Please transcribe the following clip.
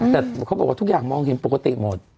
แต่เขาบอกว่าทุกอย่างมองเห็นปกติหมด